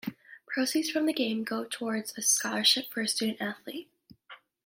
Proceeds from the game go toward a scholarship for a student athlete.